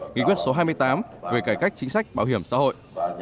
nghị quyết số hai mươi tám về cải cách chính sách bảo hiểm xã hội